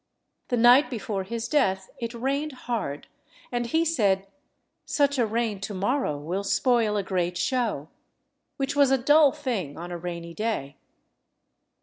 The night before his death it rained hard, and he said, "Such a rain to morrow will spoil a great show," which was a dull thing on a rainy day.